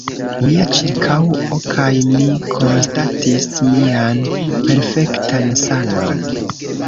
Mia ĉirkaŭo kaj mi konstatis mian perfektan sanon.